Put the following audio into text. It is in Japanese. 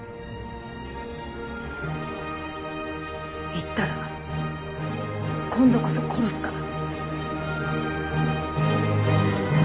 言ったら今度こそ殺すから。